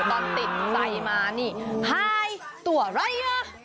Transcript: ตอนติดไซด์มานี่ไฮตัวไร